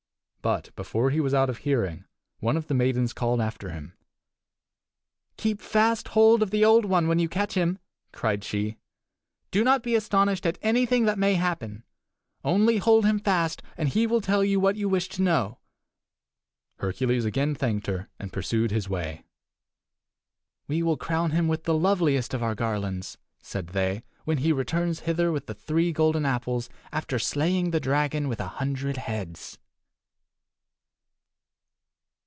But before he was out of hearing one of the maidens called after him. "Keep fast hold of the Old One when you catch him!" cried she. "Do not be astonished at anything that may happen. Only hold him fast, and he will tell you what you wish to know." Hercules again thanked her, and pursued his way. "We will crown him with the loveliest of our garlands," said they, "when he returns hither with the three golden apples after slaying the dragon with a hundred heads."